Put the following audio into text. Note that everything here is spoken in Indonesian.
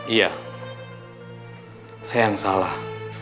iya saya yang salah